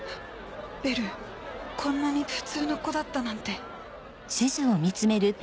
ベルこんなに普通の子だったなんて。